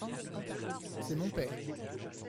C’est mon père.